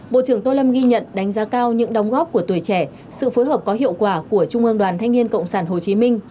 bộ trưởng tô lâm ghi nhận đánh giá cao những đóng góp của tuổi trẻ sự phối hợp có hiệu quả của trung ương đoàn thanh niên cộng sản hồ chí minh